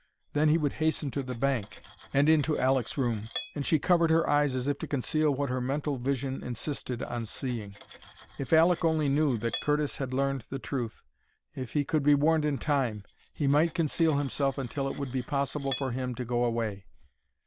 Then he would hasten to the bank, and into Aleck's room and she covered her eyes as if to conceal what her mental vision insisted on seeing. If Aleck only knew that Curtis had learned the truth, if he could be warned in time, he might conceal himself until it would be possible for him to go away.